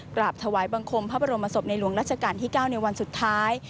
กราบถวายบังคมพระบรมศพในหลวงรัชกาลที่๙ในวันสุดท้าย